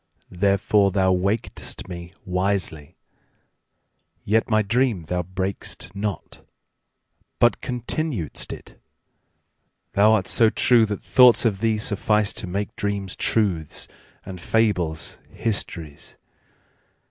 Therefore thou waked'st me wisely; yetMy dream thou brak'st not, but continued'st it:Thou art so true that thoughts of thee sufficeTo make dreams truths and fables histories.